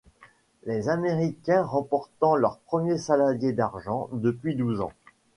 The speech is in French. Les américains remportant leur premier saladier d'argent depuis douze ans.